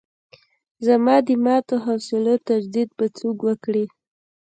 زما د ماتو حوصلو تجدید به څوک وکړي.